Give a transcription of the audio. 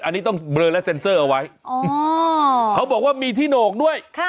อันนี้ต้องเบลอและเซ็นเซอร์เอาไว้เขาบอกว่ามีที่โหนกด้วย